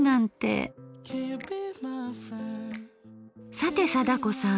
さて貞子さん。